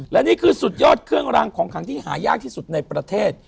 และนี่คือสุดยอดเครื่องรางของขังที่หายากที่สุดในประเทศ